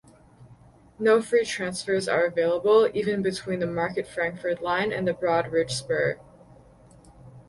No free transfers are available, even between the Market-Frankford Line and the Broad-Ridge Spur.